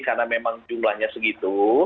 karena memang jumlahnya segitu